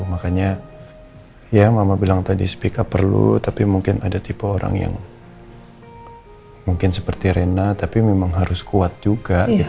makanya ya mama bilang tadi speak up perlu tapi mungkin ada tipe orang yang mungkin seperti rena tapi memang harus kuat juga gitu